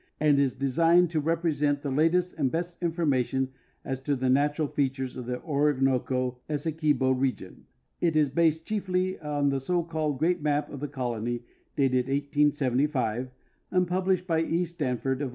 and is designed to represent the latest and best information as to the natural features of the Orinoco Essequibo region. It is based chiefly on the so called great map of the colony, dated 1875, and published by E. Stanford, of I.